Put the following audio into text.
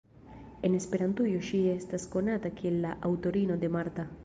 En Esperantujo ŝi estas konata kiel la aŭtorino de "Marta.